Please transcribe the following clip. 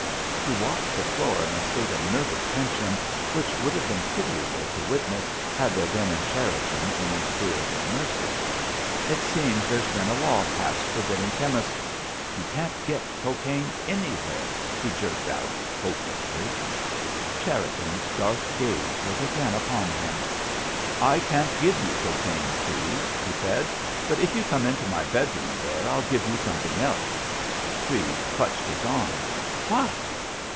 He walked the floor in a state of nervous tension, which would have been pitiable to witness, had there been in Cherriton any spirit of mercy. "It seems there's been a law passed forbidding chemists—you can't get cocaine anywhere," he jerked out, hopelessly. Cherriton's dark gaze was again upon him. "I can't give you cocaine, Treves," he said, "but if you come into my bedroom there, I'll give you something else." Treves clutched his arm. "What?"